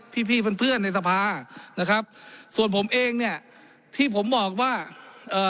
พี่พี่เพื่อนเพื่อนในสภานะครับส่วนผมเองเนี่ยที่ผมบอกว่าเอ่อ